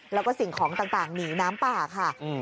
แล้วก็สิ่งของต่างหนีน้ำป่าค่ะ